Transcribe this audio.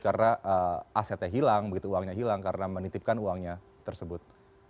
karena asetnya hilang begitu uangnya hilang karena menitipkan uangnya tersebut